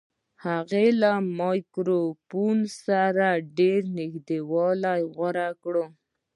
هغه له ګرامافون سره ډېر نږدېوالی غوره کړ.